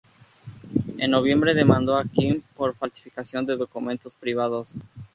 En noviembre demandó a Kim por falsificación de documentos privados.